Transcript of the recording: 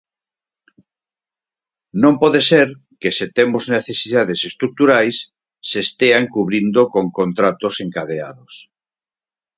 Non pode ser que se temos necesidades estruturais se estean cubrindo con contratos encadeados.